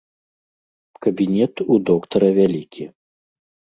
Кабінет у доктара вялікі.